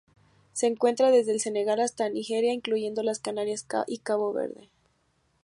Se encuentra desde el Senegal hasta Nigeria, incluyendo las Canarias y Cabo Verde.